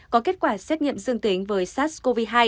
có kết quả xét nghiệm dương tính với sars cov hai